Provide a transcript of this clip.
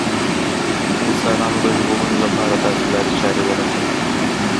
د انسانانو د ژغورنې لپاره داسې لارې چارې ولټوي